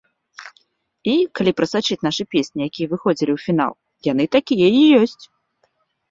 І, калі прасачыць нашы песні, якія выходзілі ў фінал, яны такія і ёсць!